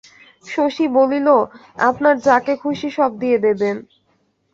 শশী বলিল, আপনার যাকে খুশি সব দিয়ে দেবেন।